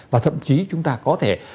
và thậm chí chúng ta có thể